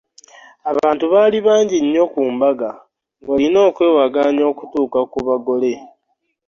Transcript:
Abantu baali bangi nnyo ku mbaga ng'olina kwewagaanya okutuuka ku bagole.